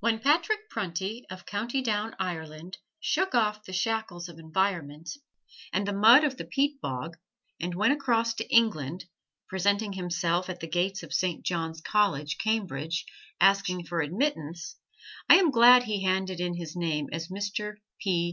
When Patrick Prunty of County Down, Ireland, shook off the shackles of environment, and the mud of the peat bog, and went across to England, presenting himself at the gates of Saint John's College, Cambridge, asking for admittance, I am glad he handed in his name as Mr. P.